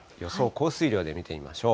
降水量で見てみましょう。